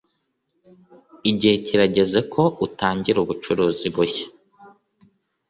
Igihe kirageze ko utangira ubucuruzi bushya.